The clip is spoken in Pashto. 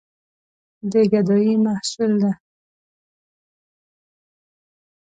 د ګدايي محصول ده.